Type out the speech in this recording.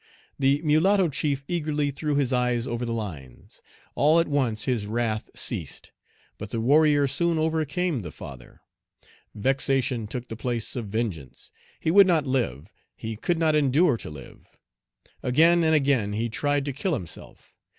The mulatto chief eagerly threw his eyes over the lines. All at once his wrath ceased. But the warrior soon overcame the father. Vexation took the place of vengeance. He would not live; he could not endure to live. Again and again he tried to kill himself.